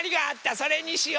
それにしよ。